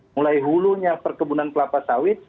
mulai hulunya perkebunan kelapa sawit